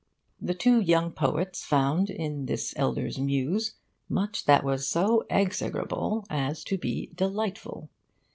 The two young poets found in this elder's Muse much that was so execrable as to be delightful.